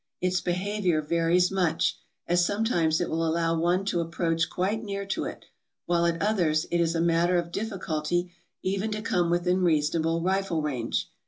Its behavior varies much; as sometimes it will allow one to approach quite near to it, while at others it is a matter of difficulty even to come within reasonable rifle range.